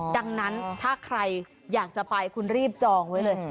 ดังนั้นถ้าใครอยากจะไปคุณรีบจองไว้เลย